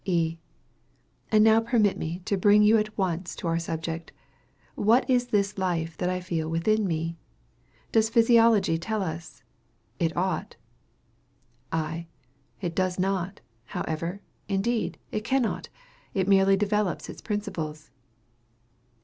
E. And now permit me to bring you at once to our subject. What is this life that I feel within me? Does Physiology tell us? It ought. I. It does not, however; indeed, it cannot. It merely develops its principles.